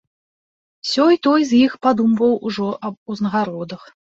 Сёй-той з іх падумваў ужо аб узнагародах.